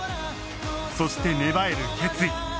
そして芽生える決意